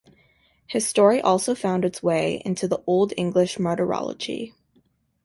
His story also found its way into the Old English Martyrology.